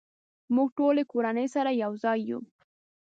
مونږ ټولې کورنۍ سره یوځای یو